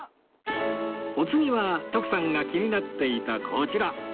お次は徳さんが気になっていたこちら